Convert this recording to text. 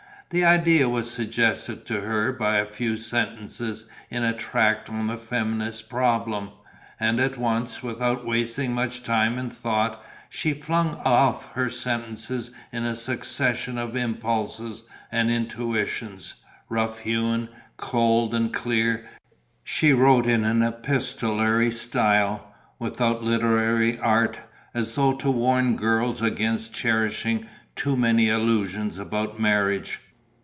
The idea was suggested to her by a few sentences in a tract on the feminist problem; and at once, without wasting much time in thought, she flung off her sentences in a succession of impulses and intuitions, rough hewn, cold and clear; she wrote in an epistolary style, without literary art, as though to warn girls against cherishing too many illusions about marriage.